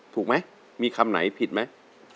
ถูกไหมมีคำไหนผิดไหม